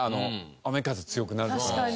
雨風強くなったら。